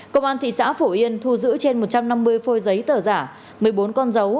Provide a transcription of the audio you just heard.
công an thị xã phổ yên thu giữ trên một trăm năm mươi phôi giấy tờ giả một mươi bốn con dấu